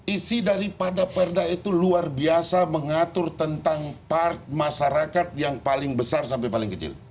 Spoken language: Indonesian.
isi daripada perda itu luar biasa mengatur tentang part masyarakat yang paling besar sampai paling kecil